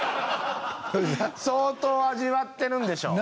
相当味わっているんでしょう。